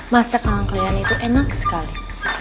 masak sama klien itu enak sekali